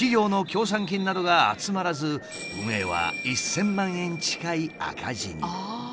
金などが集まらず運営は１，０００万円近い赤字に。